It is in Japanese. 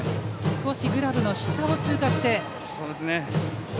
少しグラブの下を通過して。